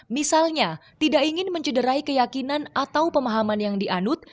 misalnya tidak ingin mencederai keyakinan atau pemahaman yang dianut